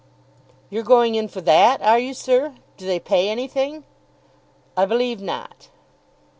"You're going in for that, are you, sir? Do they pay anything?" "I believe not."